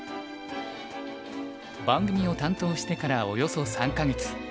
番組を担当してからおよそ３か月。